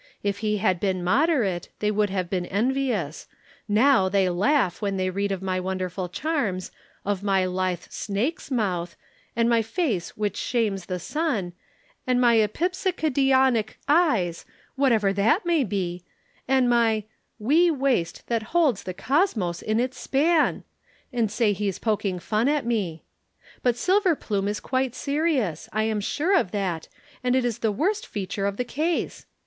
If he had been moderate, they would have been envious; now they laugh when they read of my wonderful charms, of my lithe snake's mouth, and my face which shames the sun and my Epipsychidiontic eyes (whatever that may be) and my "'Wee waist that holds the cosmos in its span,' and say he is poking fun at me. But Silverplume is quite serious I am sure of that, and it is the worst feature of the case.